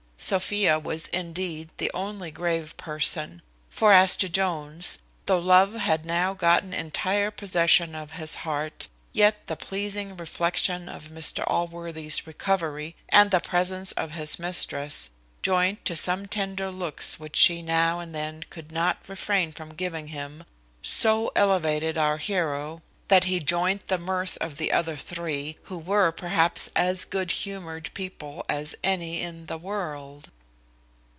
Sophia was indeed the only grave person; for as to Jones, though love had now gotten entire possession of his heart, yet the pleasing reflection on Mr Allworthy's recovery, and the presence of his mistress, joined to some tender looks which she now and then could not refrain from giving him, so elevated our heroe, that he joined the mirth of the other three, who were perhaps as good humoured people as any in the world.